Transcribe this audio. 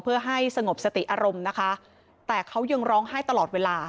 เพื่อให้สงบสติอารมณ์นะคะแต่เขายังร้องไห้ตลอดเวลา